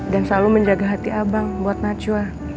dan selalu menjaga hati abang buat najwa